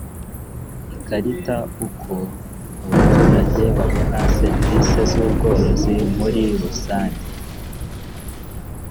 ikarita uko abaturage babona serivisi z ubworozi muri rusange